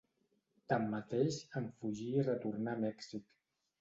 Tanmateix, en fugí i retornà a Mèxic.